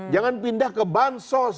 jangan pindah ke bank sos